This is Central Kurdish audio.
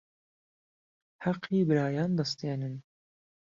حهقی برایان دهستێنن